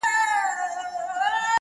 په اتڼ به سي ور ګډ د څڼورو٫